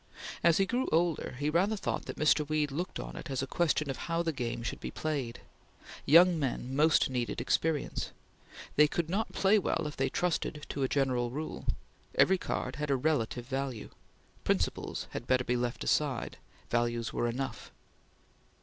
As he grew older he rather thought that Mr. Weed looked on it as a question of how the game should be played. Young men most needed experience. They could not play well if they trusted to a general rule. Every card had a relative value. Principles had better be left aside; values were enough.